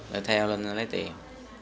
đưa theo lên lấy tiền